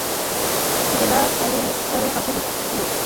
জেলা কালেক্টরের কাছে লিখলে।